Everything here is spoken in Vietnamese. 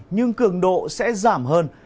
nhưng cường độ sẽ giảm hơn